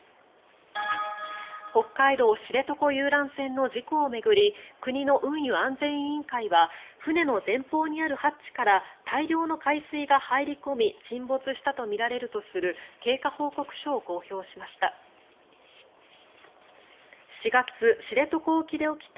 北海道知床遊覧船の事故を巡り国の運輸安全委員会は船の前方にあるハッチから大量の海水が入り込み沈没したとみられるとする経過報告書を公表しました。